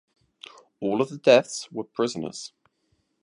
All of the deaths were prisoners.